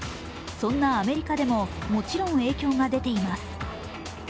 そんなアメリカでももちろん影響が出ています。